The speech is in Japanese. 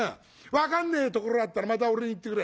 分かんねえところあったらまた俺に言ってくれ。